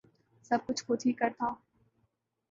سب کچھ خود ہی کر تھا